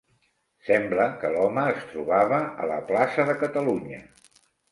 Sembla que l'home es trobava a la plaça de Catalunya